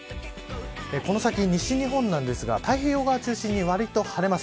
この先西日本ですが太平洋側を中心にわりと晴れます。